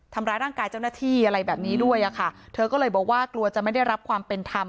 ทำร้ายร่างกายเจ้าหน้าที่อะไรแบบนี้ด้วยอะค่ะเธอก็เลยบอกว่ากลัวจะไม่ได้รับความเป็นธรรม